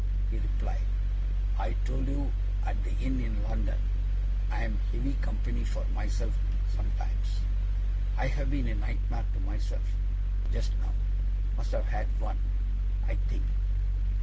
he replied. 'I told you at the inn in London, I am heavy company for myself, sometimes. I have been a nightmare to myself, just now must have had one, I think.